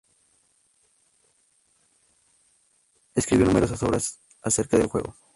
Escribió numerosas obras acerca del juego.